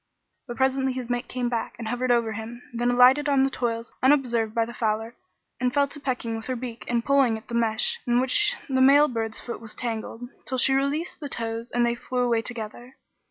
But presently his mate came back and hovered over him, then alighted on the toils unobserved by the fowler, and fell to pecking with her beak and pulling at the mesh in which the male bird's foot was tangled, till she released the toes and they flew away together.